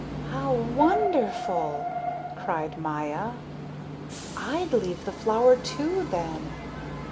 "How wonderful!" cried Maya. "I'd leave the flower too, then.